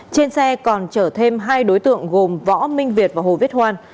trên xe còn chở thêm hai đối tượng gồm võ minh việt và hồ viết hoan